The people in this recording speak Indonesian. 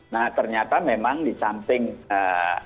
nah ternyata memang disamping ee